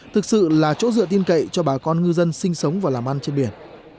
thực sự là chỗ dựa tin cậy cho bà con ngư dân sinh sống và làm ăn trên biển